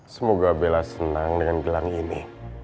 semoga bella senang dengan gelang ini